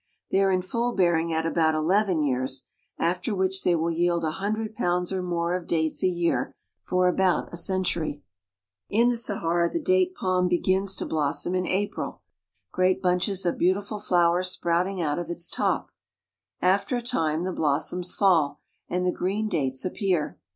They are in full bearing at about eleven years, after which they will each yield a hundred pounds or more of dates a year for about a century. In the Sahara the date palm begins to blossom in April, IN THE OASIS OF BISKRA 63 Fgreat bunches of beautiful flowers sprouting out of its top. f After a time the blossoms fall, and the green dates appear.